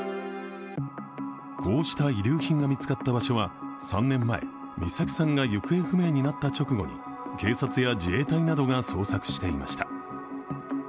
こうした遺留品が見つかった場所は３年前、美咲さんが行方不明になった直後に警察や自衛隊などが捜索していました。